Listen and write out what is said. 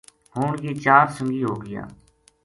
ہن یہ چار سنگی ہو گیا